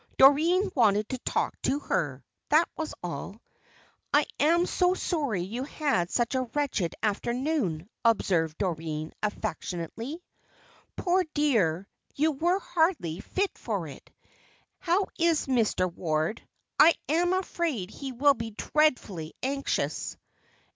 Doreen wanted to talk to her, that was all. "I am so sorry you had such a wretched afternoon," observed Doreen, affectionately. "Poor dear, you were hardly fit for it. How was Mr. Ward? I am afraid he will be dreadfully anxious."